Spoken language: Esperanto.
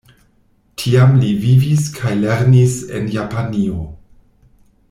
Tiam li vivis kaj lernis en Japanio.